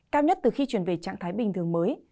cao nhất từ khi chuyển về trạng thái bình thường mới